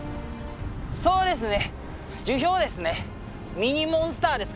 そうですね。